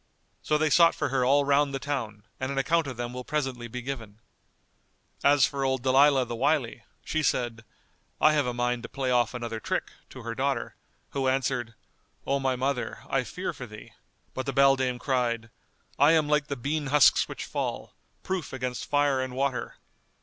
So they sought for her all round the town; and an account of them will presently be given.[FN#199] As for old Dalilah the Wily, she said, "I have a mind to play off another trick," to her daughter who answered, "O my mother, I fear for thee;" but the beldam cried, "I am like the bean husks which fall, proof against fire and water."